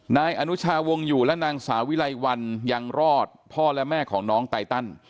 นายอนุชาวงอยู่และนางสาวิไลวันยังรอดพ่อและแม่ของน้องไตตัน